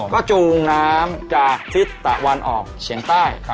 ก็จูงน้ำจากทิศตะวันออกเฉียงใต้